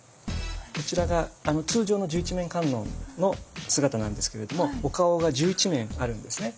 こちらが通常の十一面観音の姿なんですけれどもお顔が十一面あるんですね。